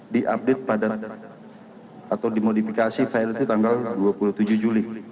diupdate pada atau dimodifikasi file itu tanggal dua puluh tujuh juli